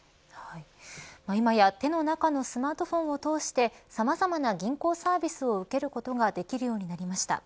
今や、手の中のスマートフォンを通してさまざまな銀行サービスを受けることができるようになりました。